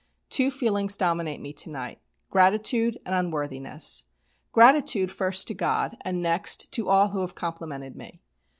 Two feelings dominate me to night gratitude and unworthiness; gratitude first to God, and next, to all who have complimented me.